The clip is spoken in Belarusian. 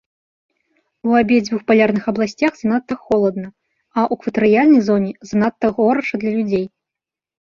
У абедзвюх палярных абласцях занадта холадна, а ў экватарыяльнай зоне занадта горача для людзей.